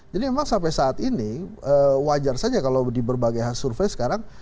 jadi memang sampai saat ini wajar saja kalau di berbagai hasil survei sekarang